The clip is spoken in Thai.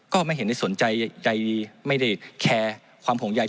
ก็ไม่เห็นได้สนใจใยดีไม่ได้แคร์ความห่วงใย